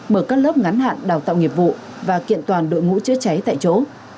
mở các lớp ngắn hạn đào tạo nghiệp vụ và kiện toàn đội ngũ chữa cháy tại chỗ